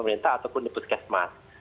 pemerintah ataupun di puskesmas